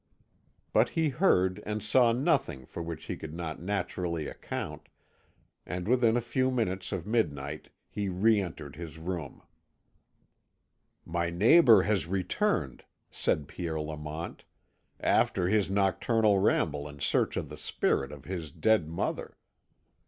But he heard and saw nothing for which he could not naturally account, and within a few minutes of midnight he re entered his room. "My neighbour has returned," said Pierre Lamont, "after his nocturnal ramble in search of the spirit of his dead mother.